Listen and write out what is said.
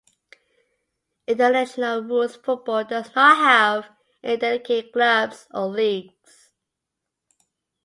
International rules football does not have any dedicated clubs or leagues.